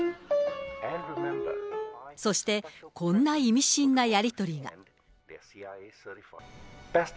そして、こんな意味深なやり取りが。